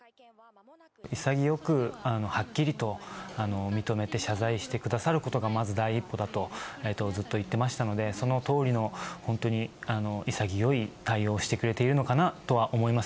潔くはっきりと認めて謝罪してくださることが、まず第一歩だと、ずっと言ってましたので、そのとおりの、本当に潔い対応をしてくれているのかなとは思います。